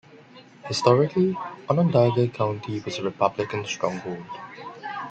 Historically, Onondaga County was a Republican stronghold.